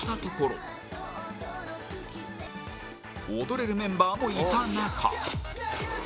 踊れるメンバーもいた中